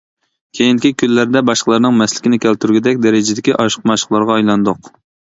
كېيىنكى كۈنلەردە باشقىلارنىڭ مەسلىكىنى كەلتۈرگۈدەك دەرىجىدىكى ئاشىق-مەشۇقلارغا ئايلاندۇق.